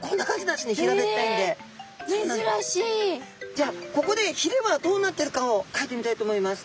じゃあここでひれはどうなってるかをかいてみたいと思います。